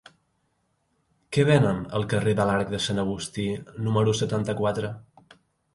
Què venen al carrer de l'Arc de Sant Agustí número setanta-quatre?